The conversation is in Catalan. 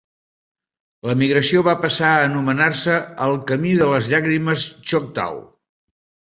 La migració va passar a anomenar-se el Camí de les Llàgrimes choctaw.